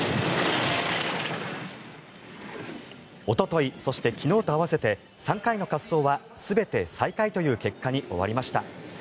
おととい、そして昨日と合わせて３回の滑走は全て最下位という結果に終わりました。